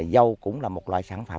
giàu cũng là một loài dâu cái tàu